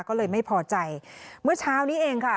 ก็เลยไม่พอใจเมื่อเช้านี้เองค่ะ